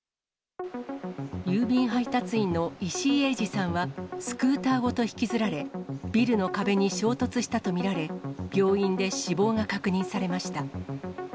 郵便配達員の石井英次さんは、スクーターごと引きずられ、ビルの壁に衝突したと見られ、病院で死亡が確認されました。